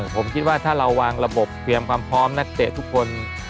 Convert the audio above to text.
ผมคิดว่าถ้าเราวางระบบเตรียมความพร้อมนักเตะทุกคน